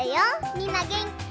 みんなげんき？